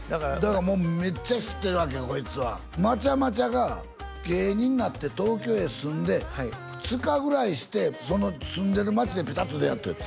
めっちゃ知ってるわけよこいつはまちゃまちゃが芸人になって東京へ住んで２日ぐらいしてその住んでる町でピタッと出会ったんやって？